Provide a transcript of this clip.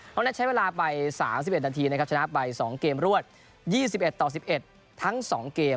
นัทใช้เวลาไป๓๑นาทีนะครับชนะไป๒เกมรวด๒๑ต่อ๑๑ทั้ง๒เกม